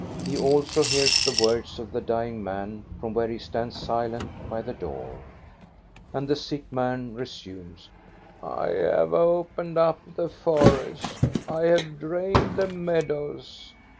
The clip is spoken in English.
He also hears the words of the dying man from where he stands silent by the door. And the sick man resumes: "I have opened up the forest, I have drained the meadows.